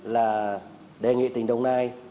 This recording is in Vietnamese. là đề nghị tỉnh đồng nai